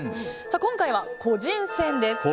今回は個人戦です。